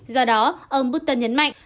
do đó ông putin nhấn mạnh